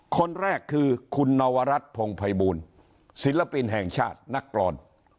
คนแรกคือคุณนวรัฐพงภัยบูลศิลปินแห่งชาตินักกรอน